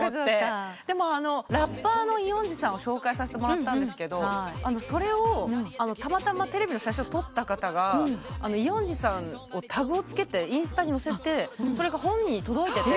でもラッパーのイ・ヨンジさんを紹介させてもらったんですがそれをたまたまテレビの写真を撮った方がイ・ヨンジさんのタグをつけてインスタに載せてそれが本人に届いていて。